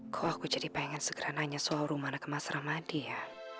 kok aku jadi pengen segera nanya soal rumahnya ke mas ramadi ya